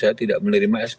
saya tidak menerima sk